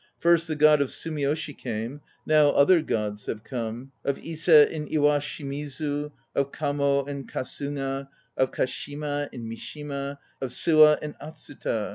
First the God of Sumiyoshi came. Now other gods x have come Of Ise and Iwa shimizu, Of Kamo and Kasuga, Of Ka shima and Mi shima, Of Suwa and Atsuta.